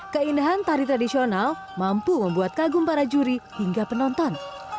keindahan tari tradisional mampu membuat kagum para juri hingga penonton